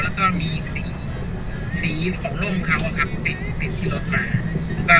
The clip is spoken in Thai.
แล้วก็มีสีของลงเขาก็ขับติดที่รถมา